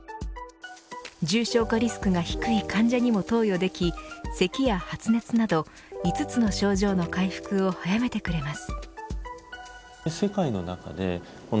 重症化リスクが低い患者にも投与できせきや発熱など５つの症状の回復を早めてくれます。